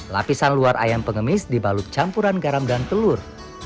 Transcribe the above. lapisan luar ayam pengemis dibalut campuran garam dan telur